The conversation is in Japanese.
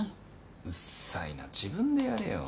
うっさいな自分でやれよ。